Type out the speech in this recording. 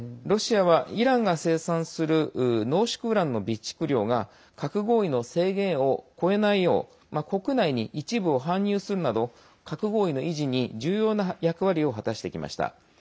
ロシアはイランが生産する濃縮ウランの備蓄量が核合意の制限を超えないよう国内に一部を搬入するなど核合意の維持に重要な役割を果たしてきました。